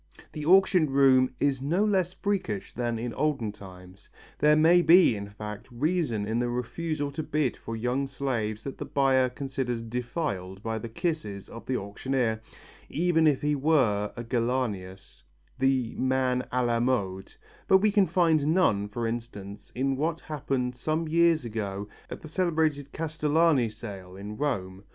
The auction room is no less freakish than in olden times. There may be, in fact, reason in the refusal to bid for young slaves that the buyer considers defiled by the kisses of the auctioneer, even if he were a Gellianus, the man à la mode; but we can find none, for instance, in what happened some years ago at the celebrated Castellani sale in Rome.